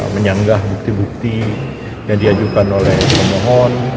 menyanggah bukti bukti yang diajukan oleh pemohon